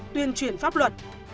tuyên truyền pháp luật